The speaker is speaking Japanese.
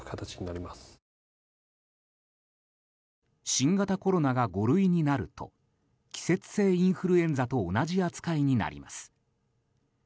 新型コロナが５類になると季節性インフルエンザと同じ扱いになります。